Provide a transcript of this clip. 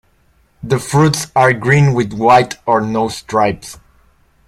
The fruits are green with white or no stripes.